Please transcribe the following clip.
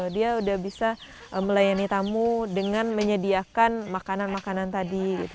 dia udah bisa melayani tamu dengan menyediakan makanan makanan tadi